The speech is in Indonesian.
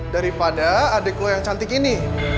daripada adek lo yang cantik ini